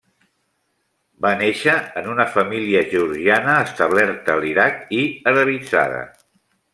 Va nàixer en una família georgiana establerta a l'Iraq i arabitzada.